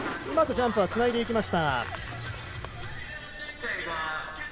うまくジャンプをつないでいきました。